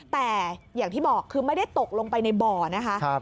แต่อย่างที่บอกคือไม่ได้ตกลงไปในบ่อนะคะ